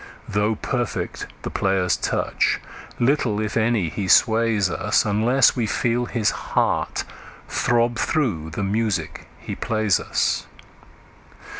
Though perfect the player's touch, little, if any, he sways us, Unless we feel his heart throb through the music he plays us.